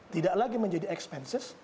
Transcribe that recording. tidak lagi menjadi expenses